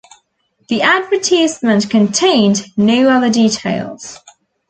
The advertisement contained no other details.